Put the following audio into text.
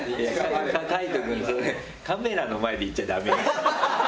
カメラの前で言っちゃダメよ。